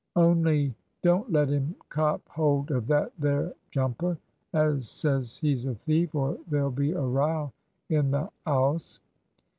On'y don't let 'im cop hold of that there jumper as says he's a thief, or there'll be a row in the 'ouse.